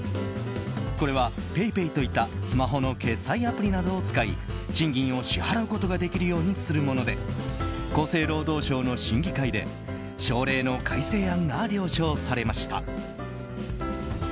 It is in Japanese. これはＰａｙＰａｙといったスマホの決済アプリなどを使い賃金を支払うことができるようにするもので厚生労働省の審議会で省令の改正案が了承されました。